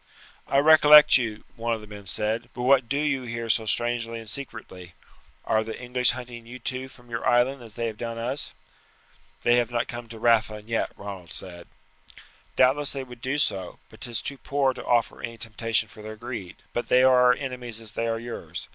"I recollect you," one of the men said; "but what do you here so strangely and secretly? Are the English hunting you too from your island as they have done us?" "They have not come to Rathlin yet," Ronald said. "Doubtless they would do so, but 'tis too poor to offer any temptation for their greed. But they are our enemies as they are yours.